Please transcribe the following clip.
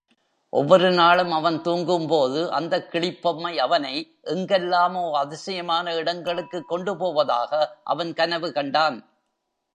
ஒவ்வொரு நாளும் அவன் தூங்கும்போது அந்தக் கிளிப்பொம்மை அவனை எங்கெல்லாமோ அதிசயமான இடங்களுக்குக் கொண்டுபோவதாக அவன் கனவு கண்டான்.